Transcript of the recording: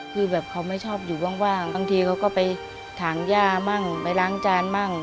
คือแบบเขาไม่ชอบอยู่ว่างบางทีเขาก็ไปถางย่ามั่งไปล้างจานมั่ง